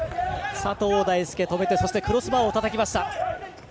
佐藤大介、止めてクロスバーをたたきました。